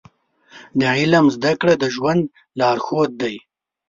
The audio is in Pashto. د علم زده کړه د ژوند لارښود دی.